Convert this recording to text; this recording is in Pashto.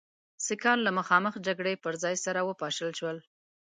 سیکهان له مخامخ جګړې پر ځای سره وپاشل شول.